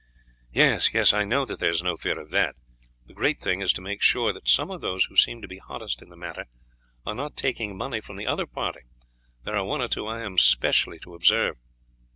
"Yes, yes, I know that there is no fear of that, the great thing is to make sure that some of those who seem to be hottest in the matter, are not taking money from the other party; there are one or two I am specially to observe."